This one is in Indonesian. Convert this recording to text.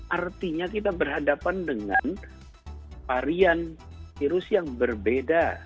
artinya kita berhadapan dengan varian virus yang berbeda